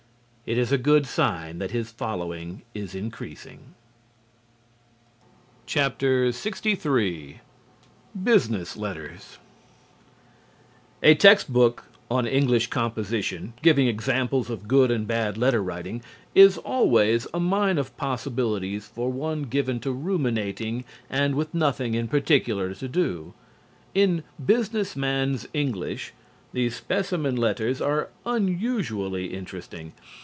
It is a good sign that his following is increasing. LXIII BUSINESS LETTERS A text book on English composition, giving examples of good and bad letter writing, is always a mine of possibilities for one given to ruminating and with nothing in particular to do. In "Business Man's English" the specimen letters are unusually interesting.